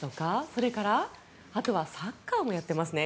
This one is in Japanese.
それから、あとはサッカーもやっていますね。